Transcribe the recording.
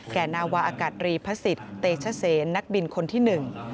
นาวาอากาศรีพระศิษย์เตชเซนนักบินคนที่หนึ่ง